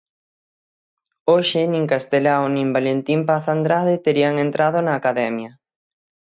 Hoxe nin Castelao nin Valentín Paz Andrade terían entrado na Academia.